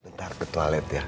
bentar ke toilet ya